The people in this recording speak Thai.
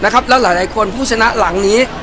แล้วหลายคนผู้ชนะหลังนี้